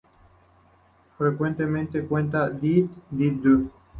Frecuentemente canta "di-dit-du".